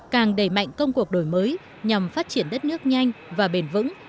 càng đẩy mạnh công cuộc đổi mới nhằm phát triển đất nước nhanh và bền vững